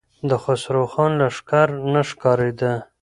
د خسرو خان لښکر نه ښکارېده.